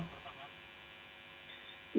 ya memang ini masa masa yang sudah berakhir